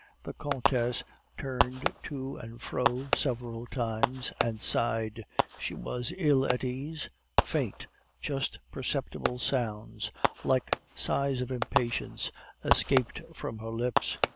The countess turned to and fro several times, and sighed; she was ill at ease; faint, just perceptible sounds, like sighs of impatience, escaped from her lips.